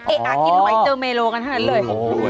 เอ๊ะกินหอยเจอเมโลกันทั้งนั้นเลย